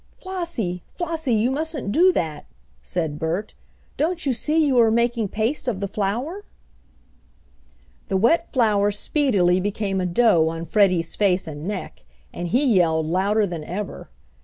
"Flossie! Flossie! You mustn't do that!" said Bert. "Don't you see you are making paste of the flour?" The wet flour speedily became a dough on Freddie's face and neck, and he yelled louder than ever.